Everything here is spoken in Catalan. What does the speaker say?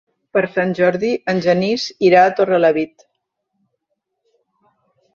Per Sant Jordi en Genís irà a Torrelavit.